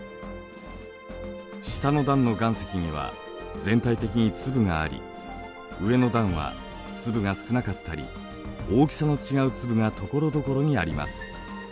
下の段の岩石には全体的に粒があり上の段は粒が少なかったり大きさの違う粒がところどころにあります。